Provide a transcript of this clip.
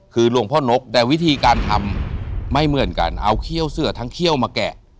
คือหลวงพ่อนกแต่วิธีการทำไม่เหมือนกันเอาเขี้ยวเสือทั้งเขี้ยวมาแกะ